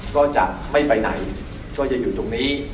ก็จะไม่ไปไหนก็จะอยู่ตรงนี้